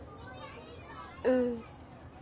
うん。